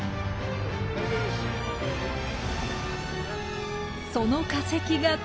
その化石がこちら。